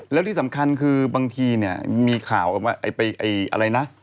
แล้วที่สำคัญคือบางทีเนี่ยมีข่าวว่าไปอะไรนะ